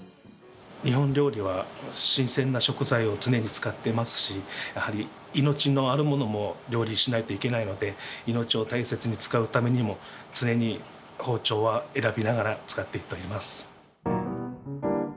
日本料理は新鮮な食材を常に使ってますしやはり命のあるものも料理しないといけないので命を大切に使うためにも常に包丁は選びながら使っていっております。